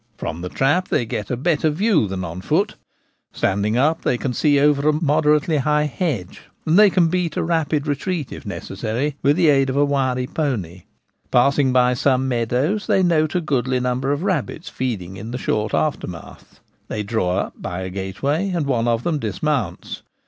From the trap they get a better view than on foot ; standing up they can see over a moderately high hedge, and they can beat a rapid retreat if necessary, with the aid of a wiry pony. Passing by some meadows, they note a goodly num ber of rabbits feeding in the short aftermath. They draw up by a gateway, and one of them dismounts.